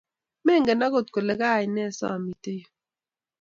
Mengen agot kole kaine samite yu